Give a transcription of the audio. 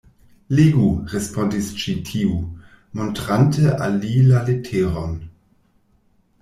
Legu, respondis ĉi tiu, montrante al li la leteron.